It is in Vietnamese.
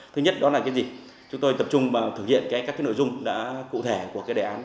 thứ nhất chúng tôi tập trung vào thực hiện các nội dung cụ thể của đề án